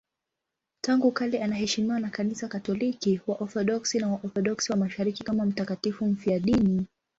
Tangu kale anaheshimiwa na Kanisa Katoliki, Waorthodoksi na Waorthodoksi wa Mashariki kama mtakatifu mfiadini.